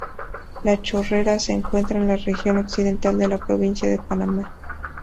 La Chorrera se encuentra en la región occidental de la provincia de Panamá.